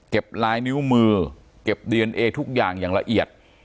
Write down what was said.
ลายนิ้วมือเก็บดีเอนเอทุกอย่างอย่างละเอียด